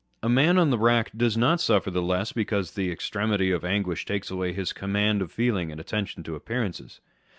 A man on the rack does not suffer the less because the extremity of anguish takes away his command of feeling and attention to appearances.